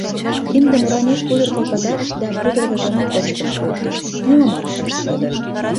Киндым оранек пудыртыл пытарышт да пудыргыжым кочкын колтышт, нимомат ышт кодо.